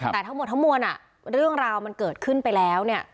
แต่ทั้งหมดเรื่องราวมันเกิดขึ้นไปแล้วค่ะ